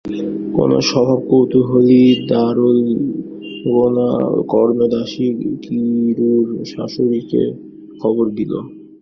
কোনো স্বভাবকৌতূহলী দ্বারলগ্নকর্ণদাসী নিরুর শাশুড়িকে এই খবর দিল।